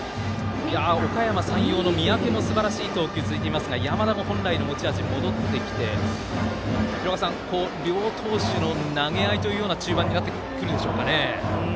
おかやま山陽の三宅もすばらしい投球続いていますが山田も調子が戻ってきて両投手の投げ合いというような中盤になってくるでしょうか。